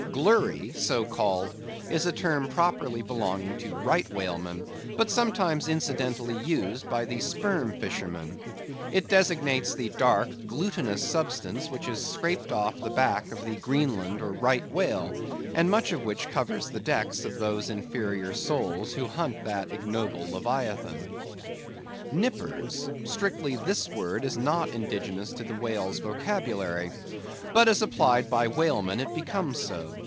Gurry, so called, is a term properly belonging to right whalemen, but sometimes incidentally used by the sperm fishermen. It designates the dark, glutinous substance which is scraped off the back of the Greenland or right whale, and much of which covers the decks of those inferior souls who hunt that ignoble Leviathan. Nippers. Strictly this word is not indigenous to the whale's vocabulary. But as applied by whalemen, it becomes so.